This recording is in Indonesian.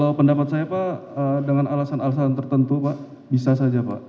kalau pendapat saya pak dengan alasan alasan tertentu pak bisa saja pak